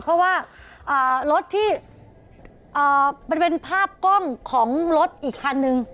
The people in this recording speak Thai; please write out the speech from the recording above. เพราะว่ารถที่มันเป็นภาพกล้องของรถอีกคันนึง